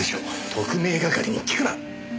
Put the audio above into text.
特命係に聞くな！